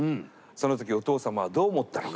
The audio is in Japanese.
その時お父様はどう思ったのか。